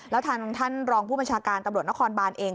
แล้วท่านรองผู้บัญชาการกรนครบานเอง